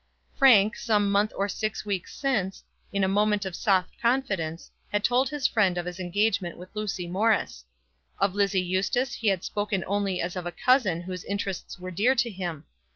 Frank, some month or six weeks since, in a moment of soft confidence, had told his friend of his engagement with Lucy Morris. Of Lizzie Eustace he had spoken only as of a cousin whose interests were dear to him.